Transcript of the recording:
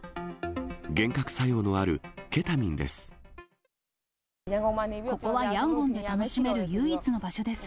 幻覚作用のあるケタミンです。